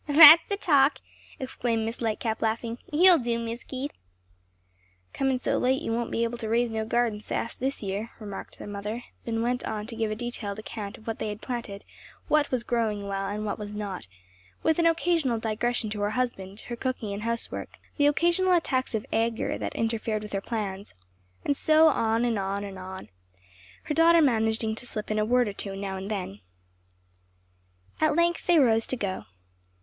"That's the talk!" exclaimed Miss Lightcap laughing. "You'll do, Mis' Keith." "Comin' so late you won't be able to raise no garden sass this year," remarked the mother; then went on to give a detailed account of what they had planted, what was growing well, and what was not, with an occasional digression to her husband, her cooking and housework, the occasional attacks of "agur" that interfered with her plans; and so on and so on her daughter managing to slip in a word or two now and then. At length they rose to go.